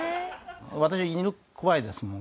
私犬怖いですもん。